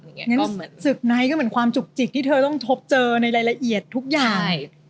งั้นศึกในก็เหมือนความจุกจิกที่เธอต้องทบเจอในรายละเอียดทุกอย่าง